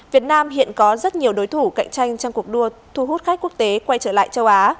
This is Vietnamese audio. việt nam hiện có rất nhiều đối thủ cạnh tranh trong cuộc đua thu hút khách quốc tế quay trở lại châu á